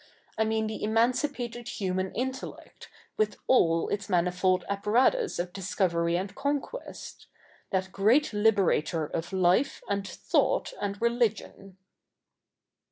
I mean the emancipated human intellect, with all its manifold apparatus of discovery and conquest — that great liberator of life, and thought, and religion.'